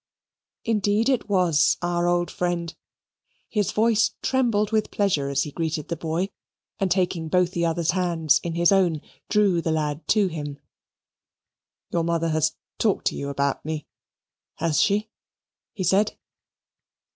Indeed it was our old friend. His voice trembled with pleasure as he greeted the boy, and taking both the other's hands in his own, drew the lad to him. "Your mother has talked to you about me has she?" he said.